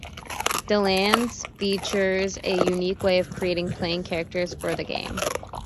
"Deadlands" features a unique way of creating playing characters for the game.